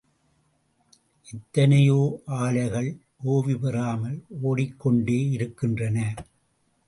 எத்தனையோ ஆலைகள் ஓய்வு பெறாமல் ஓடிக் கொண்டே இருக்கின்றன.